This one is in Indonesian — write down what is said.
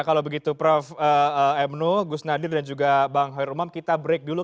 kalau begitu prof m nu gus nadir dan juga bang hoir umam kita break dulu